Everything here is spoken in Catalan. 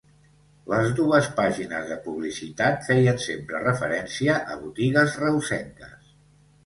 Les dues pàgines de publicitat feien sempre referència a botigues reusenques.